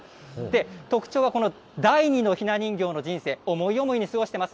特徴はこの第２のひな人形の人生、思い思いに過ごしています。